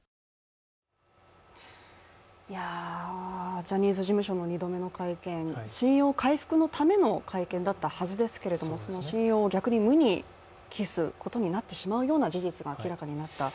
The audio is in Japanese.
ジャニーズ事務所も２度目の会見、信用回復のための会見だったはずですけれどもその信用を逆に無に帰すような事実が明らかになった。